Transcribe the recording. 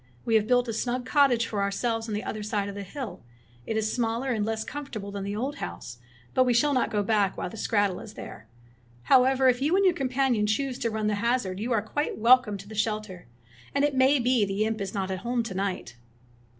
We have built a snug cottage for ourselves on the other side of the hill. It is smaller and less comfortable than the old house, but we 20 Fairy Tale Bears shall not go back while that skrattel is there. However, if you and your companion choose to run the hazard, you are quite welcome to the shelter; and it may be the imp is not at home to night."